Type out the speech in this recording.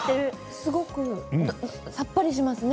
すごくさっぱりしますね。